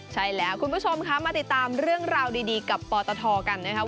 ใช่แล้วคุณผู้ชมคะมาติดตามเรื่องราวดีกับปตทกันนะครับ